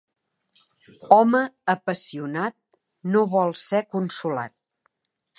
Home apassionat no vol ser consolat.